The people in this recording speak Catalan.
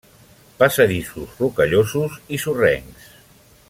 Passadissos rocallosos i sorrencs.